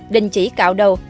đình chỉ cạo đầu